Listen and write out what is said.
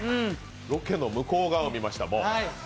ロケの向こう側を見ました。